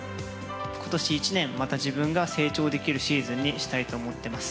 今年１年また自分が成長できるシーズンにしたいと思います。